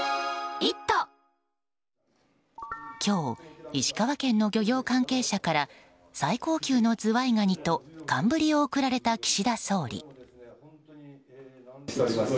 今日、石川県の漁業関係者から最高級のズワイガニと寒ブリを贈られた岸田総理。